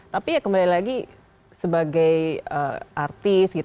tapi ya kembali lagi sebagai artis